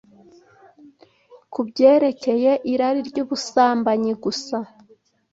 ku byerekeye irari ry’ubusambanyi gusa